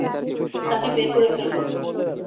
তাকে বের করে ফেলবো।